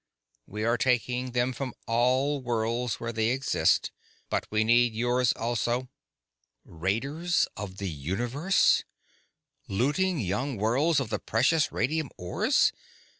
We are taking them from all worlds where they exist. But we need yours also." Raiders of the universe! Looting young worlds of the precious radium ores!